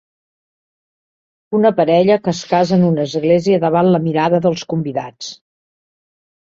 Una parella que es casa en una església davant la mirada dels convidats.